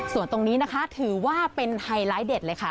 ส่วนตรงนี้นะคะถือว่าเป็นไฮไลท์เด็ดเลยค่ะ